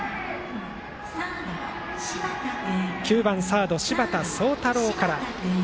９番サード柴田壮太朗から。